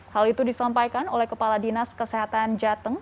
hal itu disampaikan oleh kepala dinas kesehatan jateng